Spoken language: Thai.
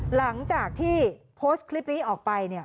หลังจากที่โพสต์คลิปนี้ออกไปเนี่ย